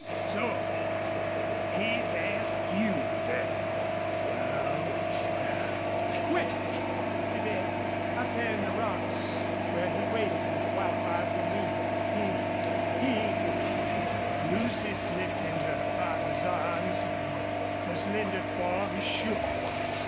"... So he's asked you, then? Wal, wal! When?" "To day out there in the rocks where he waited with Wildfire for me. He he " Lucy slipped into her father's arms, and her slender form shook.